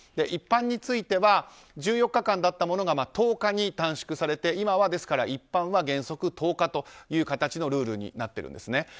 一般については１４日間だったものが１０日に短縮されて、今は一般は原則１０日という形のルールになってるんですね。